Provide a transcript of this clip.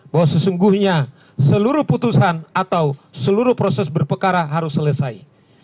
bahwa sesungguhnya seluruh putusan atau seluruh proses berpekara harus selesai